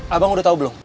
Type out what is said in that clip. abang udah tau belum